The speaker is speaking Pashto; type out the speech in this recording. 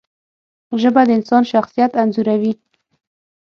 ژبه د انسان شخصیت انځوروي